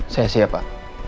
saya siap pak